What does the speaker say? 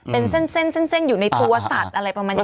เป็นเส้นอยู่ในตัวสัตว์อะไรประมาณนี้